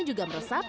jadi harus bersliap